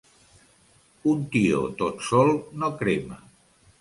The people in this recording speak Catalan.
Un tió tot sol no crema.